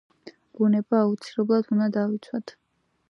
ბუნება აუცილებლად უნდა დავიცვათ